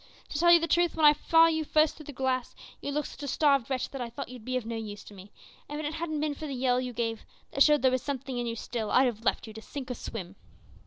To tell you the truth, when I saw you first through the glass, you looked such a starved wretch that I thought you'd be of no use to me, and if it hadn't been for the yell you gave, that showed there was something in you still, I'd have left you to sink or swim.